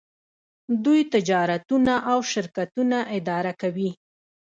دوی تجارتونه او شرکتونه اداره کوي.